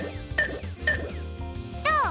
どう？